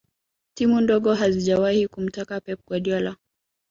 timu ndogo hazijawahi kumtaka pep guardiola